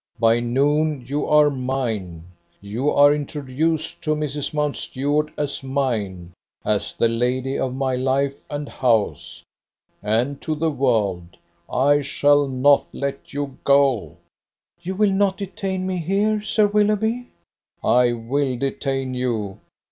By noon you are mine: you are introduced to Mrs. Mountstuart as mine, as the lady of my life and house. And to the world! I shall not let you go." "You will not detain me here, Sir Willoughby?" "I will detain you.